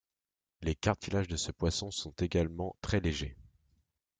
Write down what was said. Les cartilages de ce poisson sont également très légers.